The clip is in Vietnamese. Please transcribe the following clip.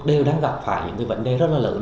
đều đang gặp phải những cái vấn đề rất là lớn